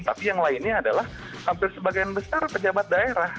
tapi yang lainnya adalah hampir sebagian besar pejabat daerah